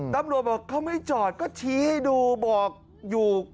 ตำรวจบอกเขาไม่จอดก็ชี้ให้ดูบอกอยู่